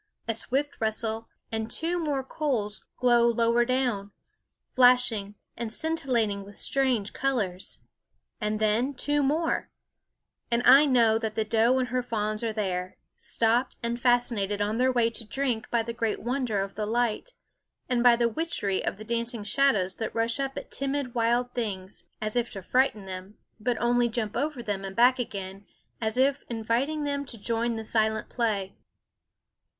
A swift rustle, and two more coals glow lower down, flashing and scintillating with strange colors; and then two more; and I know that the doe and her fawns are there, stopped and fascinated on their way to drink by the great wonder of the light, and by the witchery of the dancing shadows that rush up at timid wild things, as if to frighten them, but only jump over them and back again, as if inviting them to join the silent play.